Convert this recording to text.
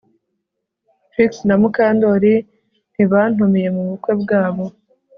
Trix na Mukandoli ntibantumiye mubukwe bwabo